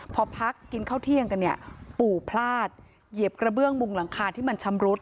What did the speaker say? พอพักกินข้าวเที่ยงกันเนี่ยปู่พลาดเหยียบกระเบื้องมุงหลังคาที่มันชำรุด